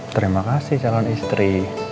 terima kasih calon istri